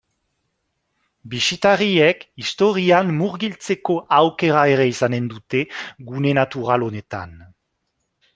Bisitariek historian murgiltzeko aukera ere izanen dute gune natural honetan.